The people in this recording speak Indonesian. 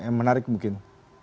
yang menarik mungkin